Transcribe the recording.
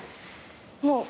もう